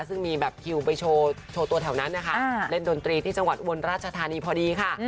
ซึ่งมีแบบคิวไปโชว์ตัวแถวนั้นนะคะเล่นดนตรีที่จังหวัดอุบลราชธานีพอดีค่ะ